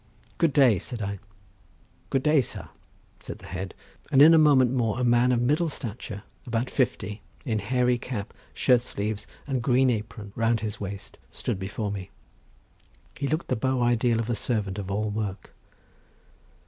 "Good day," said I. "Good days, sar," said the head, and in a moment more a man of middle stature, about fifty, in hairy cap, shirt sleeves, and green apron round his waist, stood before me. He looked the beau ideal of a servant of all work.